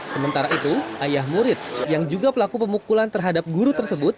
sementara itu ayah murid yang juga pelaku pemukulan terhadap guru tersebut